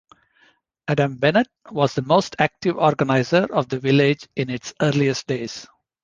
Adam Bennett was the most active organizer of the village in its earliest days.